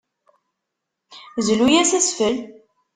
Zlu-as asfel.